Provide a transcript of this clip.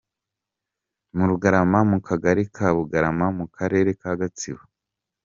mu Rugarama mu kagari ka Bugarama mu karere ka Gatsibo.